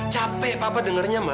capek papa dengarnya ma